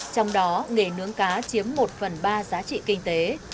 trong đó nghề nướng cá chiếm một phần ba giá trị kinh tế